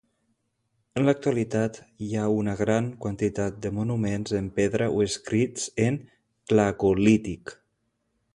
En l'actualitat hi ha una gran quantitat de monuments en pedra o escrits en glagolític.